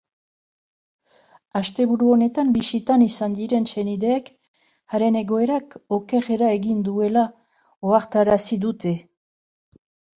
Asteburu honetan bisitan izan diren senideek haren egoerak okerrera egin duela ohartarazi dute.